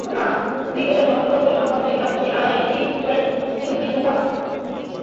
ক্রিকেটের মহোৎসব সামনে রেখে আইসিসির ওয়েবসাইটে বিশ্বকাপ নিয়ে স্মৃতিচারণায় মেতেছেন সাবেক ক্রিকেটাররা।